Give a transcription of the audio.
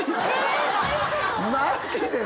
マジで？